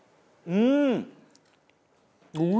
うん！